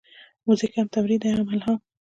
موزیک هم تمرین دی، هم الهام.